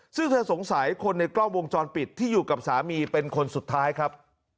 ซึ่งเธอสงสัยคนในกล้องวงจรปิดที่อยู่กับสามีเป็นคนสุดท้ายครับ